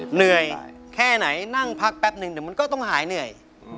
เหนื่อยแค่ไหนนั่งพักแป๊บนึงเดี๋ยวมันก็ต้องหายเหนื่อย